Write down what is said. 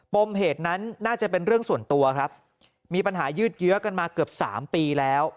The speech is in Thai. มเหตุนั้นน่าจะเป็นเรื่องส่วนตัวครับมีปัญหายืดเยื้อกันมาเกือบสามปีแล้ว